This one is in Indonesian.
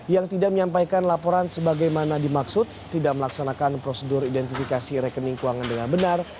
yang tidak menyampaikan laporan sebagaimana dimaksud tidak melaksanakan prosedur identifikasi rekening keuangan dengan benar